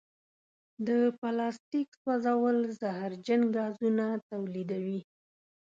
د پلاسټیک سوځول زهرجن ګازونه تولیدوي.